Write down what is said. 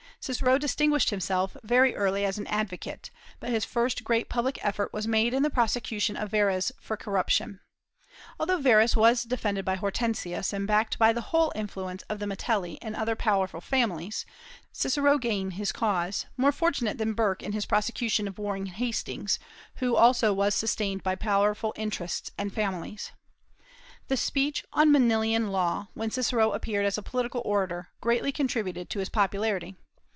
Cicero distinguished himself very early as an advocate, but his first great public effort was made in the prosecution of Verres for corruption. Although Verres was defended by Hortensius and backed by the whole influence of the Metelli and other powerful families, Cicero gained his cause, more fortunate than Burke in his prosecution of Warren Hastings, who also was sustained by powerful interests and families. The speech on the Manilian Law, when Cicero appeared as a political orator, greatly contributed to his popularity.